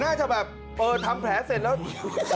น่าจะแบบเออทำแผลเสร็จแล้ว